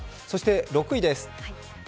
そして６位です。